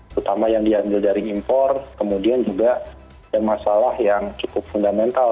terutama yang diambil dari impor kemudian juga masalah yang cukup fundamental